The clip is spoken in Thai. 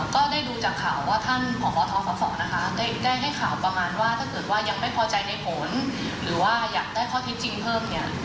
ก็ได้ดูจากข่าวว่าท่านผอทฟนะคะได้ให้ข่าวประมาณว่าถ้าเกิดว่ายังไม่พอใจในผลหรือว่าอยากได้ข้อเท็จจริงเพิ่มเนี่ย